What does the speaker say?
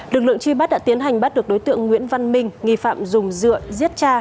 lực lượng truy bắt đã tiến hành bắt được đối tượng nguyễn văn minh nghi phạm dùng dựa giết cha